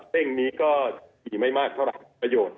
เพลงนี้ก็ขี่ไม่มากเท่าไหร่ประโยชน์